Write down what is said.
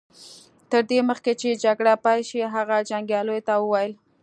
تر دې مخکې چې جګړه پيل شي هغه جنګياليو ته وويل.